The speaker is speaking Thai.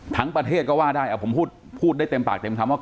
ประเทศก็ว่าได้ผมพูดได้เต็มปากเต็มคำว่า